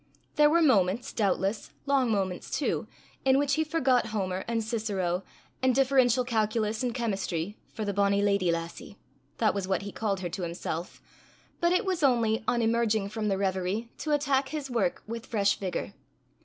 There were moments, doubtless, long moments too, in which he forgot Homer and Cicero and differential calculus and chemistry, for "the bonnie lady lassie," that was what he called her to himself; but it was only, on emerging from the reverie, to attack his work with fresh vigour.